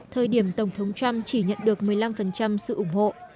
thời điểm tổng thống trump chỉ nhận được một mươi năm sự ủng hộ